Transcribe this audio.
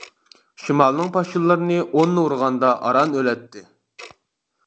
شىمالنىڭ پاشىلىرىنى ئوننى ئۇرغاندا ئاران ئۆلەتتى.